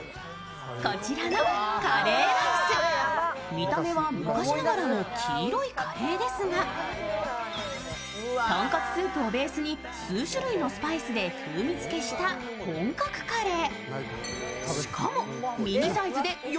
見た目は昔ながらの黄色いカレーですが豚骨スープをベースに数種類のスパイスで風味付した本格カレー。